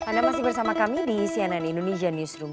anda masih bersama kami di cnn indonesia newsroom